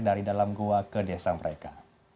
dari dalam gua ke desa mereka